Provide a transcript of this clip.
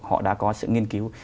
họ đã có sự nghiên cứu